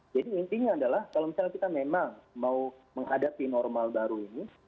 jadi intinya adalah kalau misalnya kita memang mau menghadapi normal baru ini